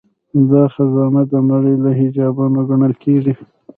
دا خزانه د نړۍ له عجايبو ګڼل کیږي